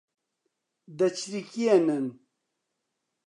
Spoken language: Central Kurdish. دەچریکێنن